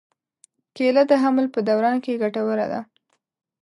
کېله د حمل په دوران کې ګټوره ده.